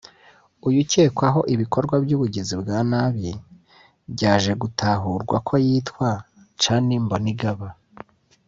uyu ukekwaho ibikorwa by’ubugizi bwa nabi byaje gutahurwa ko yitwa Channy Mbonigaba